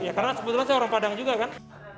ya karena kebetulan saya orang padang juga kan